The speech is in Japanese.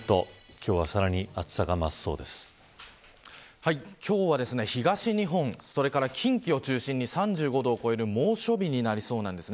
今日はさらに今日は東日本そして近畿を中心に３５度を超える猛暑日になりそうです。